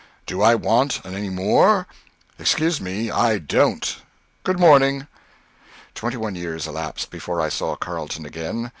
Do I want any more? Excuse me, I don't. Good morning." Twenty one years elapsed before I saw Carleton again.